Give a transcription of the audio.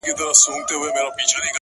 • که چا پوښتنه درڅخه وکړه ,